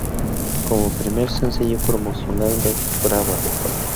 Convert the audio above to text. Como primer sencillo promocional de "Brava!